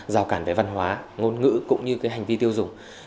giao cản về văn hóa ngôn ngữ cũng như hành vi tiêu dùng